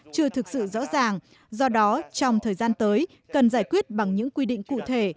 chưa thực sự rõ ràng do đó trong thời gian tới cần giải quyết bằng những quy định cụ thể